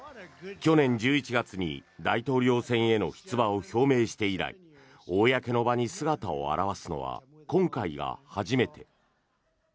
去年１１月に大統領選への出馬を表明して以来公の場に姿を現すのは今回が初めて。